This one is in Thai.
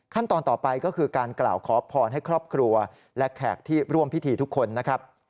ต่อไปก็คือการกล่าวขอพรให้ครอบครัวและแขกที่ร่วมพิธีทุกคนนะครับ